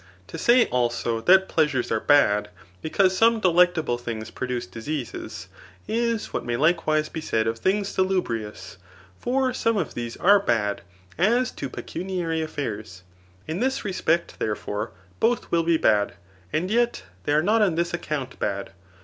To say, also, that pleasures are bad, because some delectable things produce diseases, is what may likewise be said of things salubrious ; for some of these are bad as to pecuniary affairs. In this respect, therefore, both will be bad, and yet they are not on this account bad.